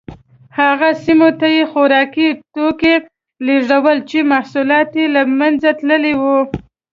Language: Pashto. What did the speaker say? هغه سیمو ته یې خوراکي توکي لېږدول چې محصولات یې له منځه تللي وو